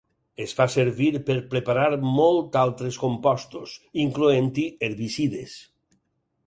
Es fa servir per preparar molt altres compostos, incloent-hi herbicides.